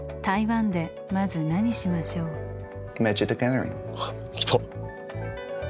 台湾でまず何しましょう？来た。